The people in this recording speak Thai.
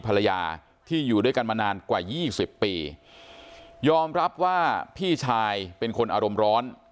ภรรยาที่อยู่ด้วยกันมานานกว่ายี่สิบปียอมรับว่าพี่ชายเป็นคนอารมณ์ร้อน